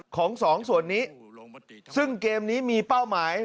ของสองส่วนนี้ซึ่งเกมนี้มีเป้าหมาย